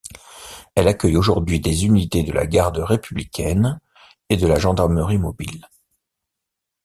Elle accueille aujourd'hui des unités de la Garde républicaine et de la Gendarmerie mobile.